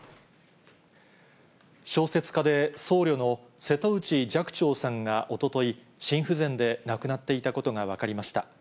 小説家で僧侶の瀬戸内寂聴さんがおととい、心不全で亡くなっていたことが分かりました。